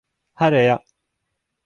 Här är jag.